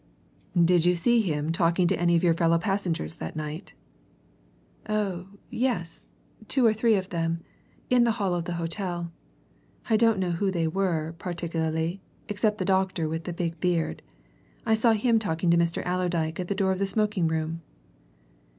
"Did you see him talking to any of your fellow passengers that night?" "Oh, yes to two or three of them in the hall of the hotel. I didn't know who they were, particularly except the doctor with the big beard. I saw him talking to Mr. Allerdyke at the door of the smoking room."